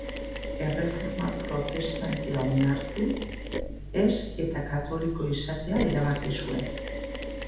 Erreforma Protestantea onartu ez eta Katoliko izatea erabaki zuen.